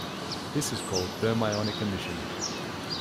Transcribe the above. This is called thermionic emission.